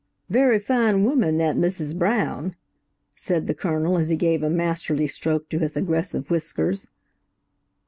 "Very fine woman, that Mrs. Brown," said the Colonel, as he gave a masterly stroke to his aggressive whiskers.